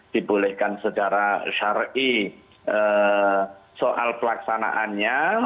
dibolehkan secara syari soal pelaksanaannya